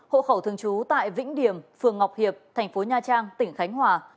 hộ khẩu thường trú tại vĩnh điểm phường ngọc hiệp thành phố nha trang tỉnh khánh hòa